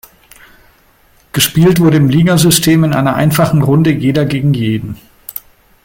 Gespielt wurde im Ligasystem in einer einfachen Runde Jeder gegen Jeden.